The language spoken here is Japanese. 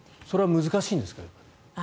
それは難しいんですか？